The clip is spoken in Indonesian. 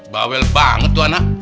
bawel banget tuh anak